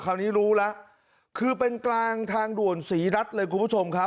อ่ะคราวนี้รู้ละคือเป็นกลางทางด่วนศรีรัตร์เลยคุณผู้ชมครับ